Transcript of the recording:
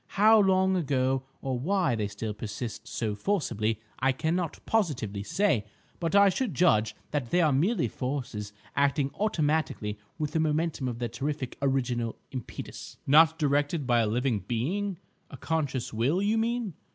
How long ago, or why they still persist so forcibly, I cannot positively say. But I should judge that they are merely forces acting automatically with the momentum of their terrific original impetus." "Not directed by a living being, a conscious will, you mean?"